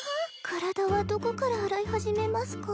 体はどこから洗い始めますか？